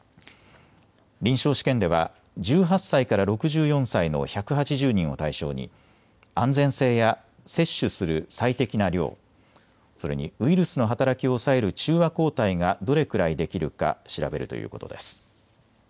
臨床試験では１８歳から６４歳の１８０人を対象に安全性や接種する最適な量、それにウイルスの働きを抑える中和抗体ががどれくらいできるか調べるということです。